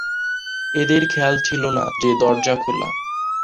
এদের খেয়াল ছিল না যে, দরজা খোলা।